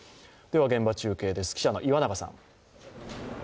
現場中継です、記者の岩永さん。